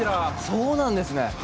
そうなんですね。